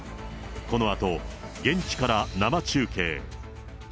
このあと、現地から生中継。